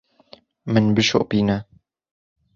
Min bişopîne.